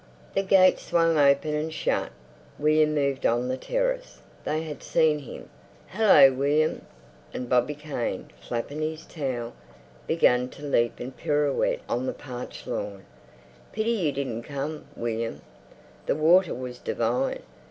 The gate swung open and shut. William moved on the terrace; they had seen him. "Hallo, William!" And Bobby Kane, flapping his towel, began to leap and pirouette on the parched lawn. "Pity you didn't come, William. The water was divine.